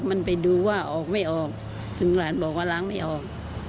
มันไปดูว่าออกไม่ออกถึงหลานบอกว่าล้างไม่ออก